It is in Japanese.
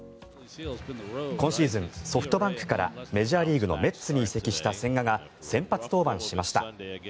今シーズン、ソフトバンクからメジャーリーグのメッツに移籍した千賀が先発登板しました。